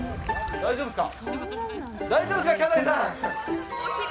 大丈夫ですか？